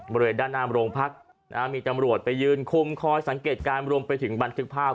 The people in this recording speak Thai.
บริเวณด้านหน้าโรงพักมีตำรวจไปยืนคุมคอยสังเกตการณ์รวมไปถึงบันทึกภาพ